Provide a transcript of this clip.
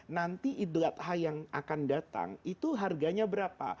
nanti idlat ha yang akan datang itu harganya berapa